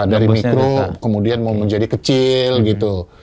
dari mikro kemudian mau menjadi kecil gitu